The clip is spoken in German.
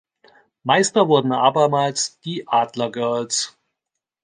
Meister wurden abermals die Adler Girls.